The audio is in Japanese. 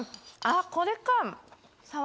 あこれか。